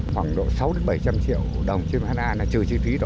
khoảng độ sáu đến bảy trăm linh triệu đồng trên một ha là trừ chi phí đó